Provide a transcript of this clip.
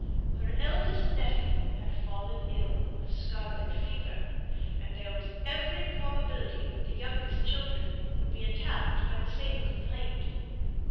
Her eldest nephew had fallen ill of scarlet fever, and there was every probability that the younger children would be attacked by the same complaint.